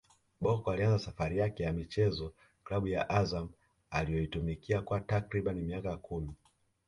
Bocco alianza safari yake ya michezo klabu ya Azam aliyoitumikia kwa takriban miaka kumi